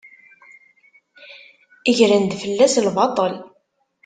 Gren-d fell-as lbaṭel.